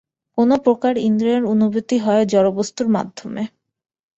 কোন প্রকার ইন্দ্রিয়ের অনুভূতি হয় জড়বস্তুর মাধ্যমে।